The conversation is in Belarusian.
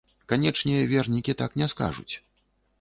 Канечне, вернікі так не скажуць.